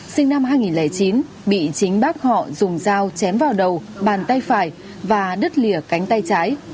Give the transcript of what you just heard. sinh năm hai nghìn chín bị chính bác họ dùng dao chém vào đầu bàn tay phải và đứt lìa cánh tay trái